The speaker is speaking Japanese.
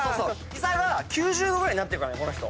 膝が９０度ぐらいになってるからこの人。